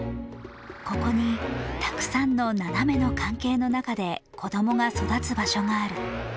ここにたくさんのナナメの関係の中で子供が育つ場所がある。